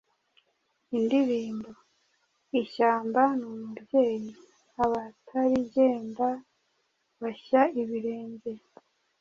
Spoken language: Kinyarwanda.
Indirimbo:Ishyamba ni umubyeyi, abatarigenda bashya ibirenge,